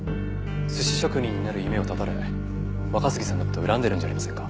寿司職人になる夢を絶たれ若杉さんの事を恨んでるんじゃありませんか？